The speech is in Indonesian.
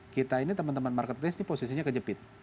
kita ini teman teman marketplace ini posisinya kejepit